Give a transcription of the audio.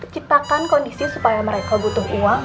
kita kan kondisi supaya mereka butuh uang